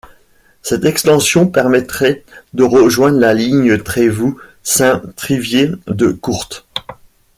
Cette extension permettrait de rejoindre la ligne Trévoux - Saint-Trivier-de-Courtes.